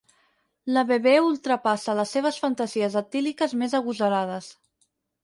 La Bebè ultrapassa les seves fantasies etíliques més agosarades.